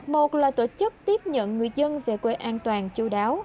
một là tổ chức tiếp nhận người dân về quê an toàn chú đáo